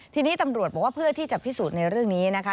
ทีนี้ตำรวจบอกว่าเพื่อที่จะพิสูจน์ในเรื่องนี้นะคะ